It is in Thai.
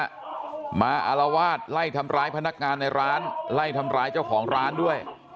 มาอารวาสไล่ทำร้ายพนักงานในร้านไล่ทำร้ายเจ้าของร้านด้วย